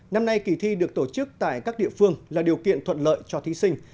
năm nay kỳ thi được tổ chức tại các địa phương là điều kiện thuận lợi cho thí sinh